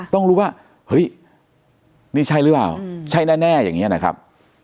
ต้องรู้ว่าเฮ้ยนี่ใช่หรือเปล่าใช่แน่อย่างนี้นะครับ